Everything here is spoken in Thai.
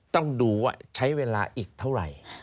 ต้องดูว่าใช้เวลาอีกเท่าไหร่